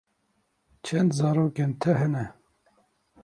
Çend zarokên te hene?